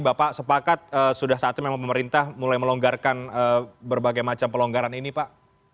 bapak sepakat sudah saatnya memang pemerintah mulai melonggarkan berbagai macam pelonggaran ini pak